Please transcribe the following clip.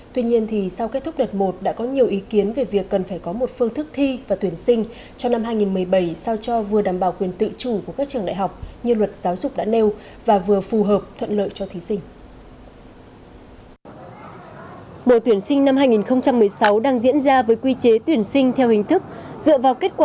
tuy nhiên sau kết thúc đợt một đã có nhiều ý kiến về việc cần phải có một phương thức thi và tuyển sinh cho năm hai nghìn một mươi bảy sao cho vừa đảm bảo quyền tự chủ của các trường đại học như luật giáo dục đã nêu và vừa phù hợp thuận lợi cho thí sinh